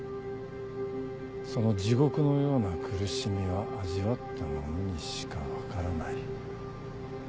その地獄のような苦しみは味わった者にしか分からない。